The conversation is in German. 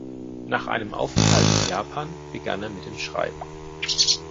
Nach einem Aufenthalt in Japan begann er mit dem Schreiben.